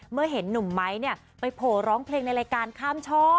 เมื่อเห็นหนุ่มไม้ไปโผล่ร้องเพลงในรายการข้ามช่อ